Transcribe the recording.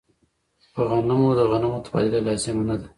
په غنمو د غنمو تبادله لازمه نه ده.